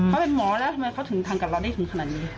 เขาเป็นหมอแล้วทำไมเขาถึงทำกับเราได้ถึงขนาดนี้